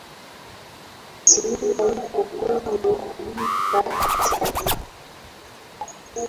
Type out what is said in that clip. isimila ipo kwenye nyika za iringa